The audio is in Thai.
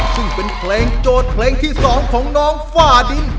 ซึ่งแก่คลี่สองของน้องฝ่าดิน